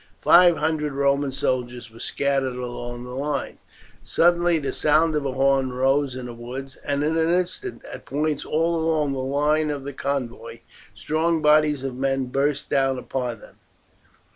Five hundred Roman soldiers were scattered along the line. Suddenly the sound of a horn rose in the woods, and in an instant, at points all along the line of the convoy, strong bodies of men burst down upon them.